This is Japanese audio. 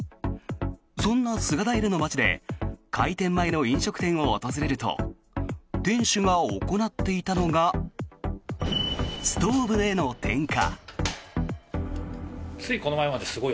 そんな菅平の街で開店前の飲食店を訪れると店主が行っていたのがストーブへの点火。